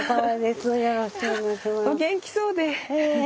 お元気そうで。